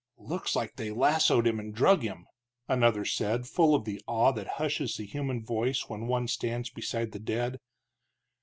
"Looks like they lassoed him and drug him," another said, full of the awe that hushes the human voice when one stands beside the dead.